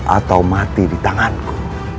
atau mati di tanganku